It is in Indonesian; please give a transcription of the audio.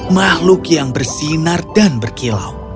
makhluk yang bersinar dan berkilau